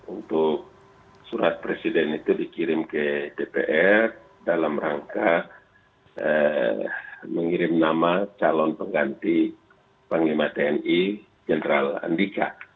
untuk surat presiden itu dikirim ke dpr dalam rangka mengirim nama calon pengganti panglima tni jenderal andika